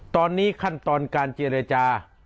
ตอนนี้ขั้นตอนการเจรจา